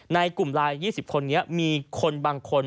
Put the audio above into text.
ในกลุ่มไลน์๒๐คนนี้มีคนบางคน